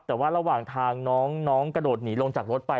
แต่ว่าระหว่างทางน้องกระโดดหนีลงจากรถไป